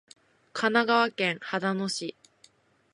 神奈川県秦野市